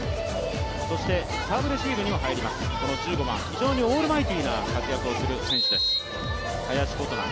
サーブレシーブにも入ります、この１５番、非常にオールマイティーな活躍をする選手です、林琴奈。